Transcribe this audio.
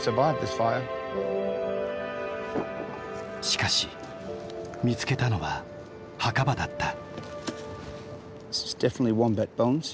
しかし見つけたのは墓場だった。